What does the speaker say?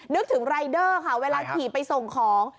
นึกถึงรายเดอร์ค่ะเวลาขี่ไปส่งของ